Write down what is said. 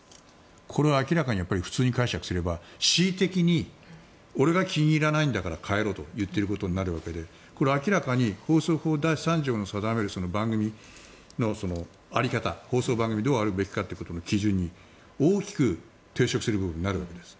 これは明らかに普通に解釈すれば恣意的に俺が気に入らないんだから変えろと言っていることになるわけでこれは明らかに放送法第３条の定める番組の在り方放送番組はどうあるべきかという基準に大きく抵触する部分になるわけです。